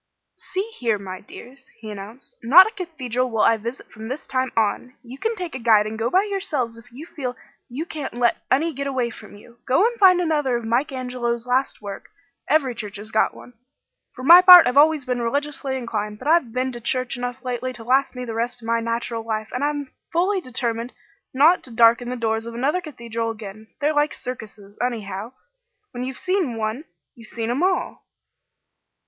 "See here, my dears," he announced, "Not a cathedral will I visit from this time on! You can take a guide and go by yourselves if you feel you can't let any get away from you. Go and find another of Mike Angelo's last work; every church has got one. For my part, I've always been religiously inclined, but I've been to church enough lately to last me the rest of my natural life, and I've fully determined not to darken the doors of another cathedral again. They're like circuses, anyhow; when you've seen one, you've seen 'em all."